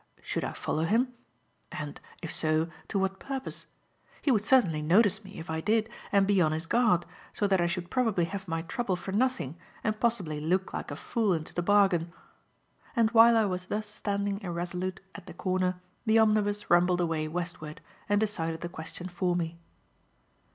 Should I follow him? And, if so, to what purpose? He would certainly notice me if I did and be on his guard, so that I should probably have my trouble for nothing and possibly look like a fool into the bargain. And while I was thus standing irresolute at the corner, the omnibus rumbled away westward and decided the question for me.